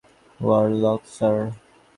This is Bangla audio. Warlock, sir.